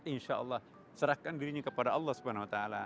insya allah serahkan dirinya kepada allah swt